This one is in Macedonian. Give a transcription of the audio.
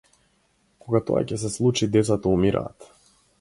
Кога тоа ќе се случи децата умираат.